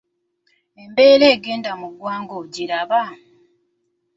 Embeera egenda mu ggwanga ogiraba?